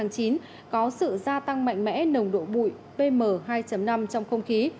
có sự gia tăng mạnh mẽ nồng độ bụi pm hai năm trong không khí